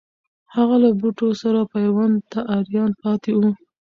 هغه له بوټو سره پیوند ته آریان پاتې وو.